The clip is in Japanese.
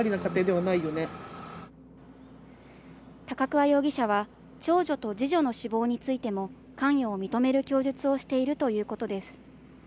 高桑容疑者は長女と二女の死亡についても関与を認める供述をしているということです。